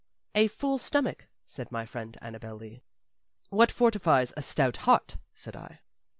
"A full stomach," said my friend Annabel Lee. "What fortifies a stout heart?" said I.